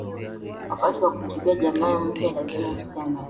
wakati wa kuhutubia jamaa mpya lazima aseme